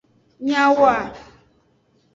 Nyawoa.